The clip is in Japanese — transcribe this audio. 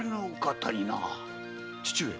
父上。